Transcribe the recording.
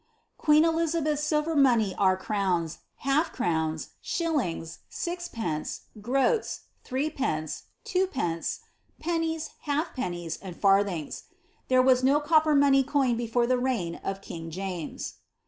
Qpeen Elisabeth's silver money are crowns, hatf^crowns, ahiOingii six pences, groaia, three penees, two pences^ pennies, halfpennies, UM farthings. There was no copper money coined before the reign of kin^ James.